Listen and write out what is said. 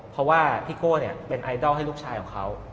เพราะว่าพี่โก้เป็นไอดอลให้ลูกชายของเขา